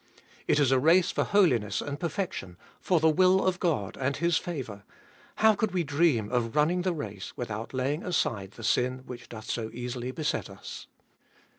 It is a race for holiness and perfection, for the will of God and His favour ; how could we dream of running the race without laying aside the sin which doth so easily beset us.